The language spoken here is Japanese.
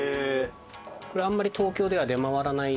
これあんまり東京では出回らないエビで。